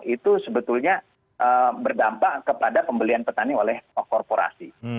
itu sebetulnya berdampak kepada pembelian petani oleh korporasi